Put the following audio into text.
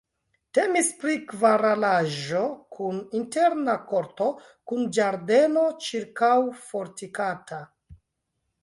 Temis pri kvaralaĵo kun interna korto kun ĝardeno ĉirkaŭfortikata.